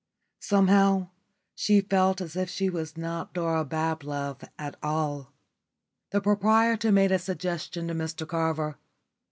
Somehow she felt as if she was not Dora Bablove at all. The proprietor made a suggestion to Mr Carver.